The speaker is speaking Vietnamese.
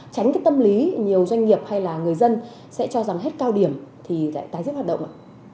tránh cái tâm lý nhiều doanh nghiệp hay là người dân sẽ cho rằng hết cao điểm thì lại tái diễn hoạt động ạ